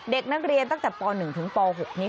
เด็กนักเรียนตั้งแต่ป๑ถึงป๖นี้